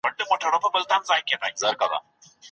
هغو د مطالعې له پاره ور تلل، ځکه ځیني ئې